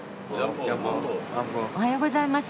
おはようございます。